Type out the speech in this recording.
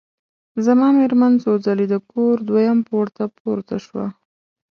زما مېرمن څو ځلي د کور دویم پوړ ته پورته شوه.